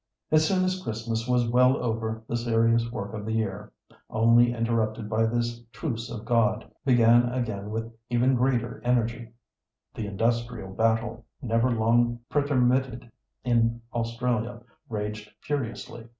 As soon as Christmas was well over the serious work of the year—only interrupted by this "truce of God"—began again with even greater energy; the industrial battle, never long pretermitted in Australia, raged furiously.